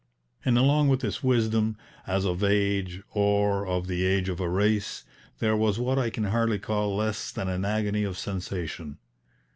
And along with this wisdom, as of age or of the age of a race, there was what I can hardly call less than an agony of sensation.